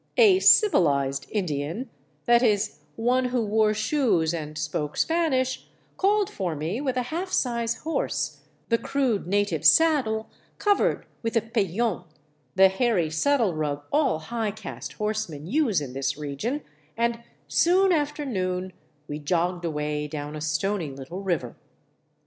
A " civilized " Indian, that is, one who wore shoes and spoke Spanish, called for me with a half size horse, the crude native saddle covered with a pellon, the hairy saddle rug all high caste horsemen use in this region, and soon after noon we jogged away down a stony little river.